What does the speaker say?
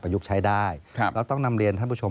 ยุคใช้ได้เราต้องนำเรียนท่านผู้ชม